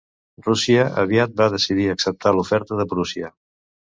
Rússia aviat va decidir acceptar l'oferta de Prússia.